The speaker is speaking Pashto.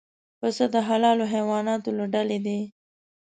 پسه د حلالو حیواناتو له ډلې دی.